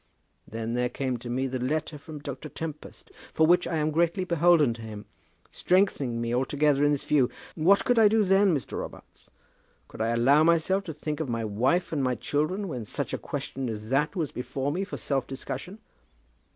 Then there came to me the letter from Dr. Tempest, for which I am greatly beholden to him, strengthening me altogether in this view. What could I do then, Mr. Robarts? Could I allow myself to think of my wife and my children when such a question as that was before me for self discussion?"